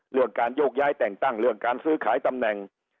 เรื่องการโยกย้ายแต่งตั้งเรื่องการซื้อขายตำแหน่ง